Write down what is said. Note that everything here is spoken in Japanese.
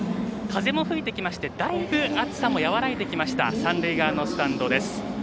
風も吹いてきてだいぶ暑さも和らいできた三塁側のスタンドです。